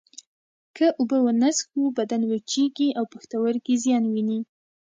که اوبه ونه څښو بدن وچېږي او پښتورګي زیان ویني